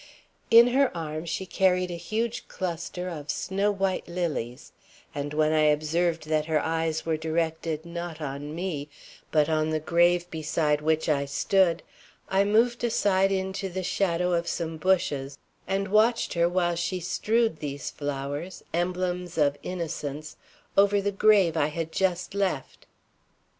In her arms she carried a huge cluster of snow white lilies, and when I observed that her eyes were directed not on me, but on the grave beside which I stood, I moved aside into the shadow of some bushes and watched her while she strewed these flowers emblems of innocence over the grave I had just left.